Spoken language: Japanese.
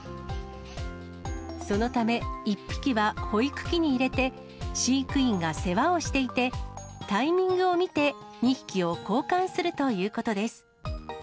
そのため、１匹は保育器に入れて、飼育員が世話をしていて、タイミングを見て、２匹を交換するということです。